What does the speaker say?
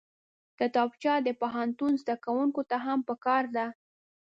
کتابچه د پوهنتون زدکوونکو ته هم پکار ده